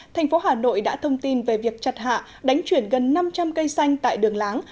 thành phố hà nội đã thông tin về việc chặt hạ đánh chuyển gần năm trăm linh cây xanh tại đường láng